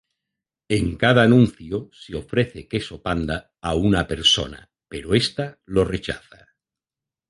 En cada anuncio, se ofrece queso Panda a una persona pero esta lo rechaza.